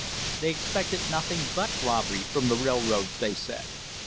They expected nothing but robbery from the railroads, they said.